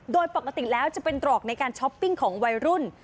โดยปกติแล้วจะเป็นตรอกในการช้อปปิ้งของวัยรุ่น